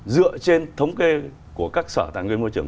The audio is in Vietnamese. dựa trên thống kê của các sở tài nguyên môi trường